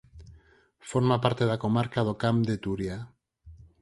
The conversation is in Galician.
Forma parte da comarca do Camp de Túria.